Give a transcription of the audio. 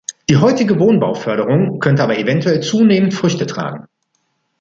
Die heutige Wohnbauförderung könnte aber eventuell zunehmend Früchte tragen.